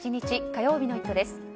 火曜日の「イット！」です。